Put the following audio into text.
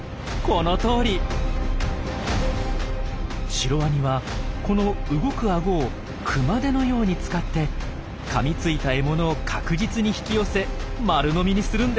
シロワニはこの動くアゴを熊手のように使ってかみついた獲物を確実に引き寄せ丸飲みにするんです。